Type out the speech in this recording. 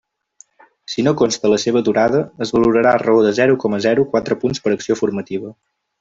Si no consta la seva durada, es valorarà a raó de zero coma zero quatre punts per acció formativa.